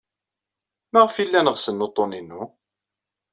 Maɣef ay llan ɣsen uḍḍun-inu?